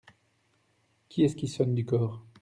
Qui est-ce qui sonne du cor ?…